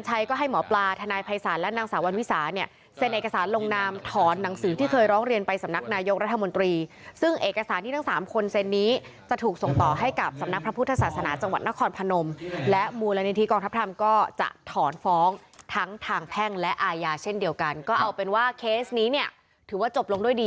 จะไม่ปล่อยให้อราชีอยู่ในวัดเด็ดขาดครับ